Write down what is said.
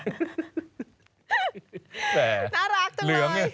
น่ารักจังเลย